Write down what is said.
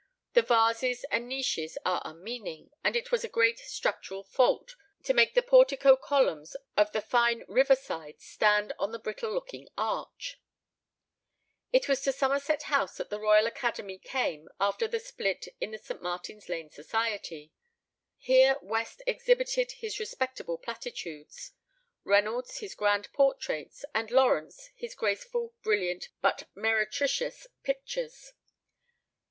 The vases and niches are unmeaning, and it was a great structural fault to make the portico columns of the fine river side stand on a brittle looking arch. It was to Somerset House that the Royal Academy came after the split in the St. Martin's Lane Society. Here West exhibited his respectable platitudes, Reynolds his grand portraits, and Lawrence his graceful, brilliant, but meretricious pictures.